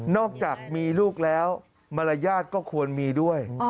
อกจากมีลูกแล้วมารยาทก็ควรมีด้วย